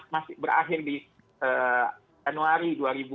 masih berakhir di januari dua ribu dua puluh